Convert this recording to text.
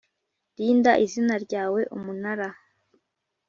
Rinda izina ryawe Umunara